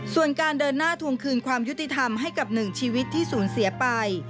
ส่วนการเดินหน้าทวงคืนความยุติธรรมให้กับหนึ่งชีวิตที่สูญเสียไป